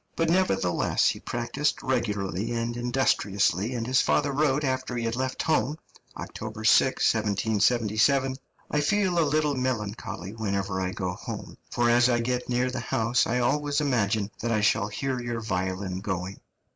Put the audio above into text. But, nevertheless, he practised regularly and industriously, and his father wrote after he had left home (October 6, 1777): "I feel a little melancholy whenever I go home, for as I get near the house I always imagine that I shall hear your violin going."